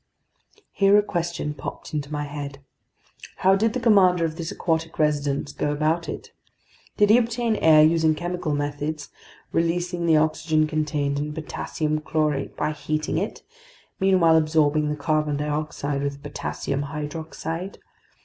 Here a question popped into my head. How did the commander of this aquatic residence go about it? Did he obtain air using chemical methods, releasing the oxygen contained in potassium chlorate by heating it, meanwhile absorbing the carbon dioxide with potassium hydroxide?